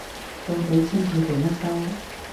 到底簽佢做乜 𨳊